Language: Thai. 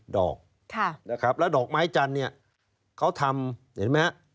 ดอกนะครับแล้วดอกไม้จันทร์เนี่ยเขาทำเห็นไหมฮะ